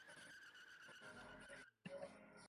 毕业于山东建筑工程学院房屋建筑设计专业。